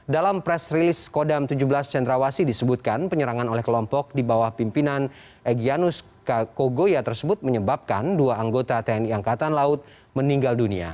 dalam press rilis kodam tujuh belas cendrawasi disebutkan penyerangan oleh kelompok di bawah pimpinan egyanus kogoya tersebut menyebabkan dua anggota tni angkatan laut meninggal dunia